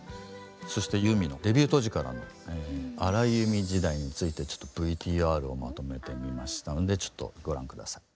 そしてユーミンのデビュー当時からの荒井由実時代についてちょっとＶＴＲをまとめてみましたのでちょっとご覧下さい。